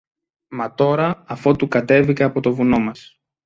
Μα τώρα, αφότου κατέβηκα από το βουνό μας